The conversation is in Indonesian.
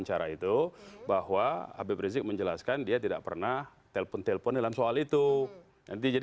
ada apa yang diperlukan